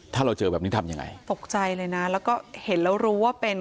ถ้าเราเจอแบบนี้ทำยังไงตกใจเลยนะแล้วก็เห็นแล้วรู้ว่าเป็น